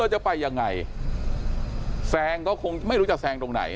จะไปยังไงแซงก็คงไม่รู้จะแซงตรงไหน